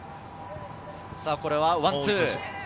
ここはワンツー。